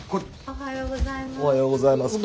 おはようございます。